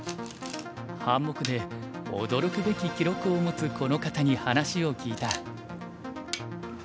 半目で驚くべき記録を持つこの方に話を聞いた。